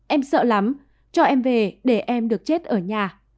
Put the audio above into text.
em sợ lắm cho em về để em được chết ở nhà